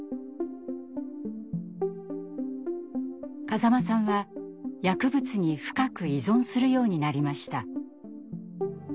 風間さんは薬物に深く依存するようになりました。